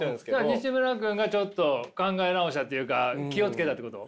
にしむら君がちょっと考え直したっていうか気を付けたってこと？